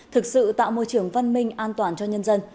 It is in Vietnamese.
thực sự tạo môi trường văn minh an toàn cho nhân dân